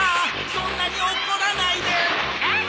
そんなに怒らないで。コケッ！